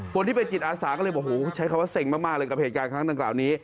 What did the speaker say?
คนที่เป็นจิตอาสาก็เลยบอกใช้คำว่าเซ็งมากเลยกับเหตุการณ์ครั้งดังกล่าวนี้